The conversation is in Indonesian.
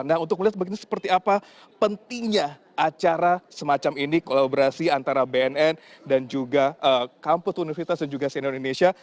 nah untuk melihat begini seperti apa pentingnya acara semacam ini kolaborasi antara bnn dan juga kampus universitas dan juga cnn indonesia